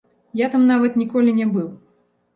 Я там нават ніколі не быў.